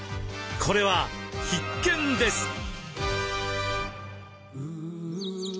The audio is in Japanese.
これは必見です。